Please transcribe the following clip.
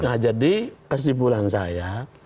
nah jadi kesimpulan saya